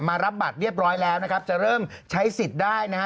รับบัตรเรียบร้อยแล้วนะครับจะเริ่มใช้สิทธิ์ได้นะฮะ